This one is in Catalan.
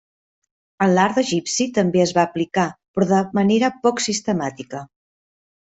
En l'art egipci també es va aplicar, però de manera poc sistemàtica.